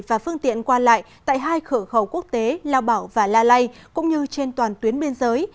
và phương tiện qua lại tại hai cửa khẩu quốc tế lao bảo và la lai cũng như trên toàn tuyến biên giới